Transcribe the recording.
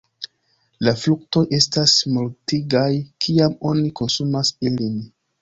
La fruktoj estas mortigaj, kiam oni konsumas ilin.